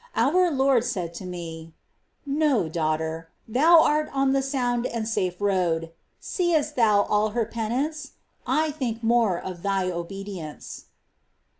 Our Lord said to me :*' No, My daughter ; thou art on the sound and safe road. Seest thou all her penance ? I think more of thy obedience."